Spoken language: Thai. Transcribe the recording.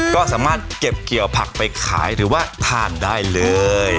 ก็สามารถเก็บเกี่ยวผักไปขายถือว่าทานได้เลย